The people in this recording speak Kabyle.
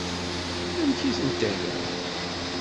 Amek i tent-terram?